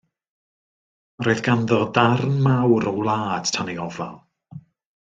Yr oedd ganddo ddarn mawr o wlad tan ei ofal.